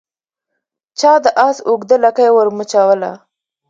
چا د آس اوږده لکۍ ور مچوله